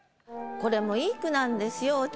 これもいい句なんですよ